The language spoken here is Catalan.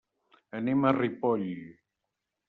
Anem a Ripoll.